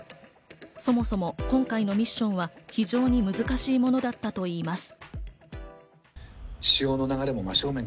そもそも今回のミッションは非常に難しいものだったといいます。